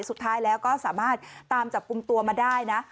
สุดท้ายแล้วก็สามารถตามจับกลุ่มตัวมาได้นะ